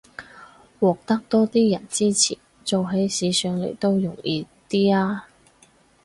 獲得多啲人支持，做起事上來都容易啲吖